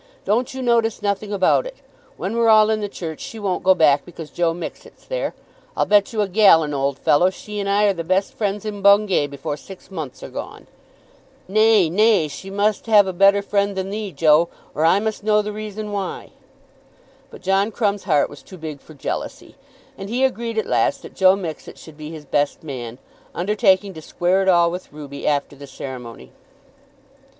Don't you notice nothing about it. When we're all in the church she won't go back because Joe Mixet's there. I'll bet you a gallon, old fellow, she and I are the best friends in Bungay before six months are gone." "Nay, nay; she must have a better friend than thee, Joe, or I must know the reason why." But John Crumb's heart was too big for jealousy, and he agreed at last that Joe Mixet should be his best man, undertaking to "square it all" with Ruby, after the ceremony.